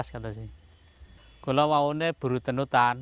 kalau mau buru tanutan